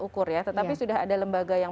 ukur ya tetapi sudah ada lembaga yang